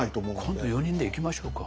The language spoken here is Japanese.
今度４人で行きましょうか。